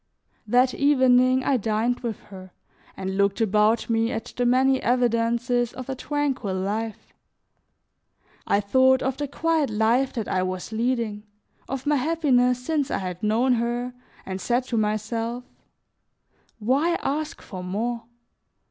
That evening I dined with her, and looked about me at the many evidences of a tranquil life; I thought of the quiet life that I was leading, of my happiness since I had known her, and said to myself: "Why ask for more?